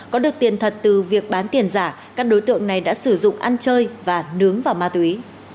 có được tiền thật từ việc bán tiền giả các đối tượng này đã sử dụng ăn chơi và nướng vào ma túy